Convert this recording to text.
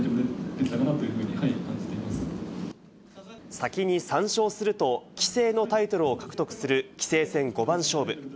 先に３勝すると、棋聖のタイトルを獲得する棋聖戦五番勝負。